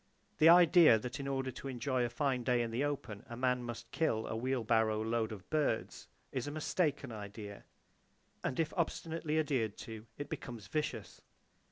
The idea that in order to enjoy a fine day in the open a man must kill a wheel barrow load of birds, is a mistaken idea; and if obstinately adhered to, it becomes vicious!